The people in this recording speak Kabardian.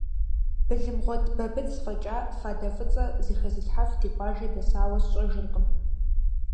Былымгъуэт Бабыц фӀэкӀа фадэ фӀыцӀэ зэхэзылъхьэф ди къуажэ дэсауэ сщӀэжыркъым.